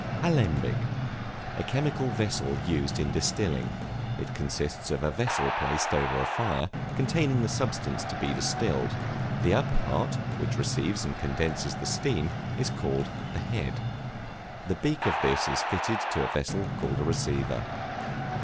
Alembic, a chemical vessel used in distilling. It consists of a vessel placed over a fire, containing the substance to be distilled; the upper part, which receives and condenses the steam, is called the head; the beak of this is fitted to a vessel called a receiver.